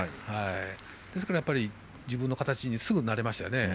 ですから自分の形にすぐなれましたね。